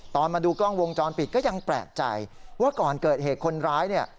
มาดูกล้องวงจรปิดก็ยังแปลกใจว่าก่อนเกิดเหตุคนร้ายเนี่ย